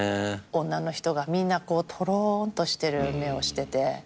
女の人がみんなトローンとしてる目をしてて。